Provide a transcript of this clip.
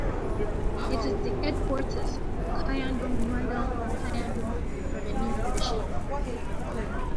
It is the headquarters for Kalyandurg mandal and Kalyandurg revenue division.